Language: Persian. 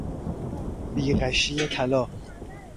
بی غشی طلا